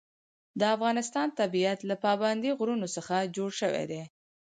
د افغانستان طبیعت له پابندی غرونه څخه جوړ شوی دی.